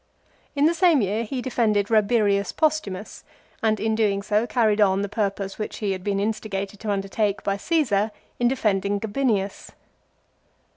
In the same year he defended Eabirius Postumus, and in doing so carried on the purpose which he had been insti gated to undertake by Caesar in defending Gabinius.